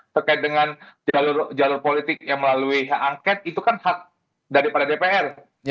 terkait dengan jalur politik yang melalui hak angket itu kan hak daripada dpr